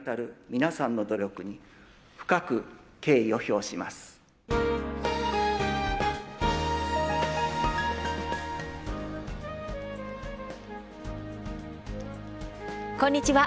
こんにちは。